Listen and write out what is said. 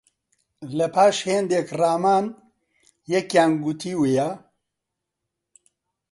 لە پاش هێندێک ڕامان، یەکیان گوتوویە: